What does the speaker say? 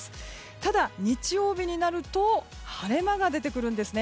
ただ、日曜日になると晴れ間が出てくるんですね。